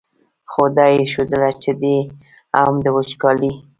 خو دا یې ښودله چې دی هم د وچکالۍ.